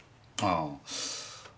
ああ。